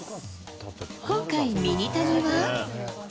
今回、ミニタニは。